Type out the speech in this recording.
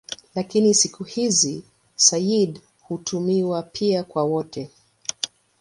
Lakini siku hizi "sayyid" hutumiwa pia kwa wote.